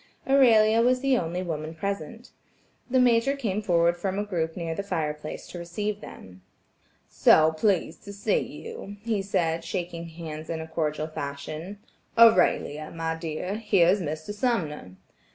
Aurelia was the only woman present. The Major came forward from a group near the fire place to receive them. "So pleased to see you," he said, shaking hands in his cordial fashion. "Aurelia, my dear, here is Mr. Sumner."